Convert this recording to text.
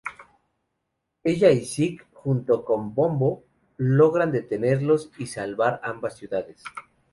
Ella y Zick, junto con Bombo, logran detenerlos y salvar ambas ciudades.